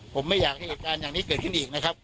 ผมไม่อยากให้เหตุการณ์อย่างนี้เกิดขึ้นอีกนะครับ